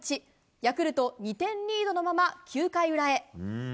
ヤクルト、２点リードのまま９回裏へ。